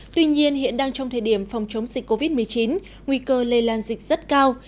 tuy nhiên hiện đang trong thời điểm phòng chống dịch covid một mươi chín nguy cơ lây lan dịch rất cao